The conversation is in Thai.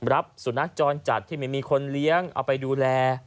รับสุนัขจรจัดที่ไม่มีคนเลี้ยงเอาไปดูแล